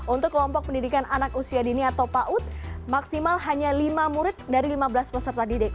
untuk kelompok pendidikan anak usia dini atau paut maksimal hanya lima murid dari lima belas peserta didik